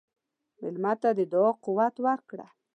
مېلمه ته د دعا قوت ورکړه.